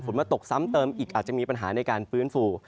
มาตกซ้ำเติมอีกอาจจะมีปัญหาในการฟื้นฟู